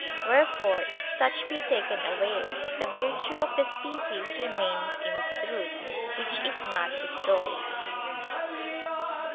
Wherefore if such be taken away, the virtue of the species remains in its root, which is not destroyed.